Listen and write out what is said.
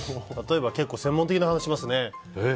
例えば専門的な話もしますね。